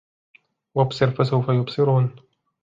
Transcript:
وأبصر فسوف يبصرون